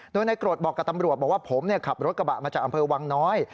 โดยนายโกรธบอกกับตำรวจบอกว่าผมขับรถกระบะมาจากอำเภอวังน้อย